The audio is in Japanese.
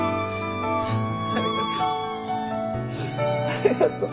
ありがとう。